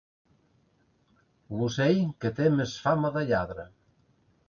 L'ocell que té més fama de lladre.